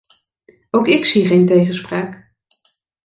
Ook ik zie geen tegenspraak.